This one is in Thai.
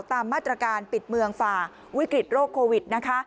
ตามมาตรการปิดเมืองฝ่าวิกฤตโรคโควิดนะคะ